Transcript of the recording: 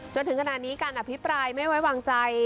จนถึงขณะนี้การอภิปรายไม่ไว้วางใจ